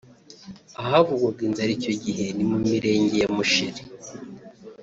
Ahavugwaga inzara icyo gihe ni mu mirenge ya Musheri